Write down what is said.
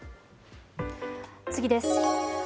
次です。